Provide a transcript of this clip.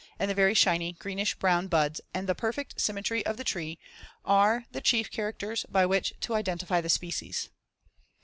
76) and the very shiny greenish brown buds and the perfect symmetry of the tree are the chief characters by which to identify the species.